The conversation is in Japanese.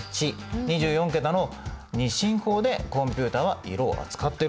２４桁の２進法でコンピュータは色を扱ってるんです。